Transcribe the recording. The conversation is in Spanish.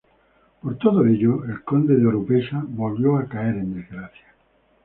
Por todo ello, el conde de Oropesa volvió a caer en desgracia.